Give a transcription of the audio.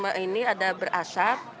tanki itu ini ada berasap